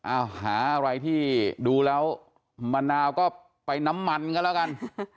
เอาหาอะไรที่ดูแล้วมะนาวก็ไปน้ำมันก็แล้วกัน